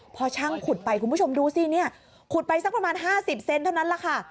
พอช่างขุดไปคุณผู้ชมดูสิเนี่ยขุดไปสักประมาณ๕๐เซนเท่านั้นแหละค่ะ